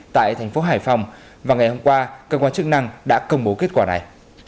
tại thành phố hải phòng và ngày hôm qua cơ quan chức năng đã công bố kết quả này